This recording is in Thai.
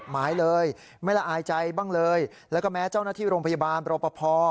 หมายเลยไม่ละอายใจบ้างเลยแล้วก็แม้เจ้าหน้าที่โรงพยาบาลปรปภ